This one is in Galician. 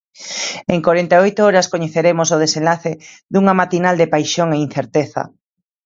En corenta e oito horas coñeceremos o desenlace dunha matinal de paixón e incerteza.